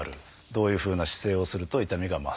どういうふうな姿勢をすると痛みが増す。